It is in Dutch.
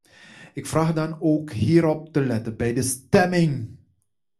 Ik vraag dan ook hierop te letten bij de stemming.